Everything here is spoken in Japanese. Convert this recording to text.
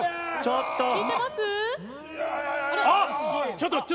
ちょっと。